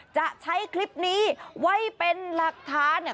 จะใช้คลิปนี้ไว้เป็นหลักฐานเนี่ย